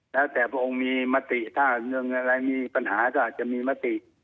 แล้วแต่พระองค์มีมติถ้าเรื่องอะไรมีปัญหาก็อาจจะมีมติ